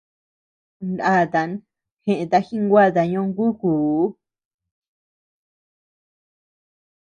Ndatan jeʼëta jinguata ñóngukuu.